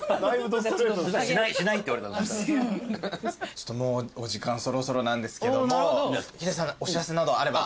ちょっともうお時間そろそろなんですけどもヒデさんお知らせなどあれば。